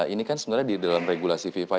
ini kan sebenarnya di dalam regulasi viva ini